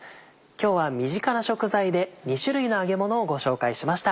今日は身近な食材で２種類の揚げ物をご紹介しました。